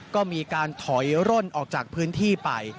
ก็มีการถอยร่นออกจากพื้นที่ไป